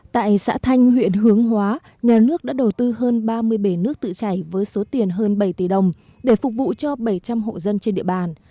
tại xã thanh huyện hướng hóa nhà nước đã đầu tư hơn ba mươi bể nước tự chảy với số tiền hơn bảy tỷ đồng để phục vụ cho bảy trăm linh hộ dân trên địa bàn